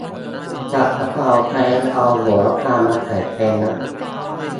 ผัดกะเพรา ใครเอาโหระพามาใส่แทนนะ